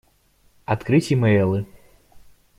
Открыть имейлы.